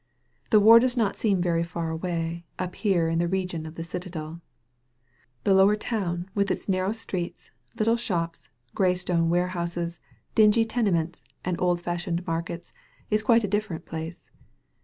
The war does not seem veiy far away, up here in the region of the citadel. The Lower Town, with its narrow streets, little shops, gray stone warehouses, dingy tenements, and old fashioned markets, is quite a different place.